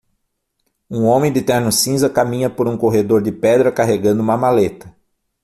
Um homem de terno cinza caminha por um corredor de pedra carregando uma maleta.